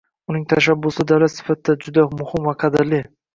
Uning tashabbusli davlat sifatida, juda muhim va qadrli.